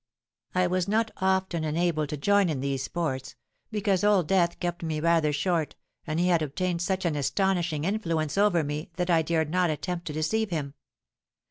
I was not often enabled to join in these sports; because Old Death kept me rather short, and he had obtained such an astonishing influence over me that I dared not attempt to deceive him.